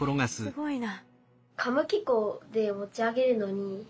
すごいな。